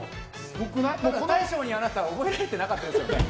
大将にあなた覚えられてなかったですよ。